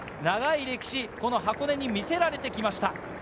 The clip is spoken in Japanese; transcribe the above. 長い歴史、箱根に魅せられてきました。